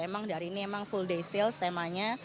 emang dari ini full day sales temanya